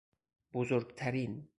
بزرگترین